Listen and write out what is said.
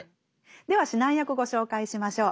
では指南役ご紹介しましょう。